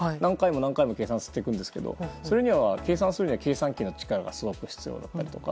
何回も計算していくんですけどそれには計算するには計算機の力が必要だったりとか。